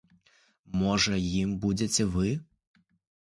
Можа, ім будзеце вы?